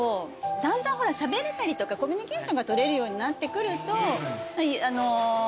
だんだんしゃべれたりとかコミュニケーションが取れるようになってくると。